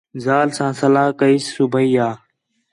ذال سا صلاح کئیس صُبیح آں